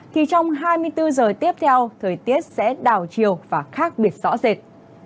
thì trong hai mươi bốn giờ tiếp theo thời tiết sẽ đào chiều và khác biệt rõ rệt